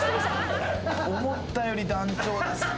思ったより団長ですね。